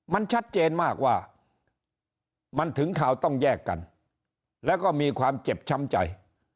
มันชัดเจนมากว่ามันถึงข่าวต้องแยกกันแล้วก็มีความเจ็บช้ำใจ